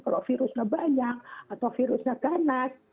kalau virusnya banyak atau virusnya ganas